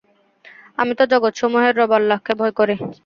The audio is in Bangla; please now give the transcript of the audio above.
আমি তো জগতসমূহের রব আল্লাহকে ভয় করি।